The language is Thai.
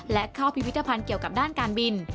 และเข้าพิพิธภัณฑ์เกี่ยวกับด้านการบิน